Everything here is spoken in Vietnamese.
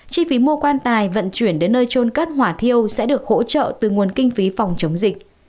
chi phí mua quan tài vận chuyển đến nơi trôn cất hỏa thiêu sẽ được hỗ trợ từ nguồn kinh phí phòng chống dịch